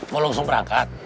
mau langsung berangkat